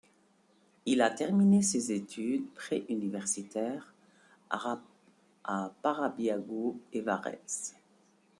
Il a terminé ses études pré-universitaires à Parabiago et Varèse.